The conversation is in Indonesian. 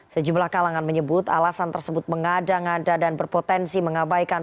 sejumlah kalangan menyebut alasan tersebut mengada ngada dan berpotensi mengabaikan